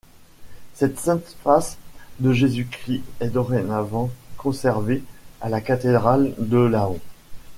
Cette Sainte Face de Jésus-Christ est dorénavant conservée à la Cathédrale de Laon.